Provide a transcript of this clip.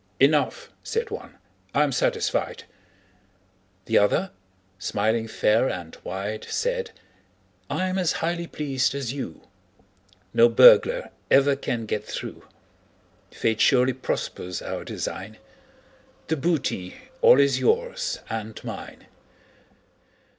"Enough," said one: "I'm satisfied." The other, smiling fair and wide, Said: "I'm as highly pleased as you: No burglar ever can get through. Fate surely prospers our design The booty all is yours and mine."